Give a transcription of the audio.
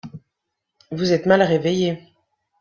Vous êtes mal réveillé.